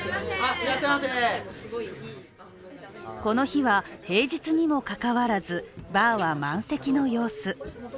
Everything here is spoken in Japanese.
この日は平日にもかかわらずバーは満席の様子。